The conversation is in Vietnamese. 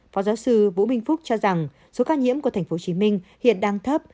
phó giáo sư vũ minh phúc cho rằng số ca nhiễm của tp hcm hiện đang thấp